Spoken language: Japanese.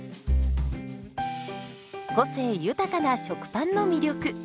個性豊かな食パンの魅力。